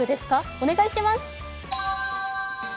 お願いします。